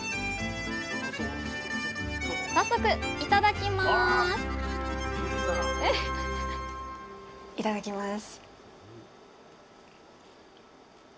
早速いただきますいただきます。